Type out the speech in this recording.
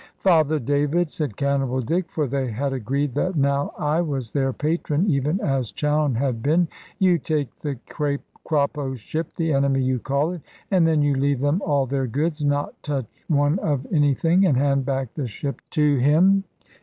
"Father David," said Cannibal Dick, for they had agreed that now I was their patron, even as Chowne had been; "you take the Crappo ship, the enemy you call it, and then you leave them all their goods, not touch one of anything, and hand back the ship to him."